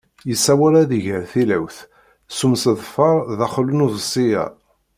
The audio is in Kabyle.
Yessaweḍ ad iger tilawt s umseḍfer daxel n uḍebsi-a.